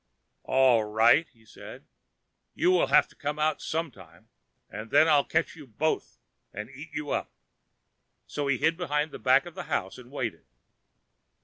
"All right," said he, "you will have to come out some time, and then I will catch you both, and eat you up." So he hid behind the back of the house and waited.